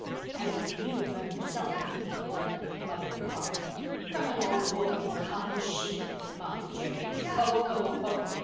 "I believe you'd have run yourself if you'd been there," muttered Carl. "From an old woman in a cotton sheet," mocked Jerry. "Ho, ho, ho!"